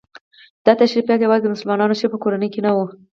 دا تشریفات یوازې د مسلمانو اشرافو په کورنیو کې نه وو.